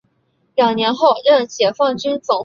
两年后任解放军总后勤部副部长。